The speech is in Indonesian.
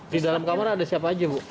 di dalam kamar ada siapa aja bu